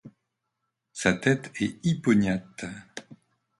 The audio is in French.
Sa tête est hypognathe.